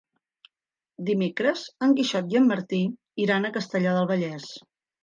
Dimecres en Quixot i en Martí iran a Castellar del Vallès.